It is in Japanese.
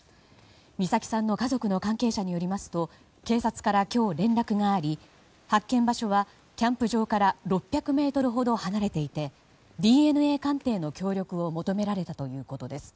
美咲さんの家族の関係者によりますと警察から今日連絡があり発見場所はキャンプ場から６００ｍほど離れていてＤＮＡ鑑定の協力を求められたということです。